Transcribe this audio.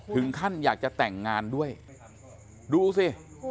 ถึงขั้นอยากจะแต่งงานด้วยดูสิ